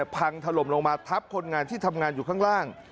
พังถล่มลงมาทับคนงานที่ทำงานอยู่ข้างล่าง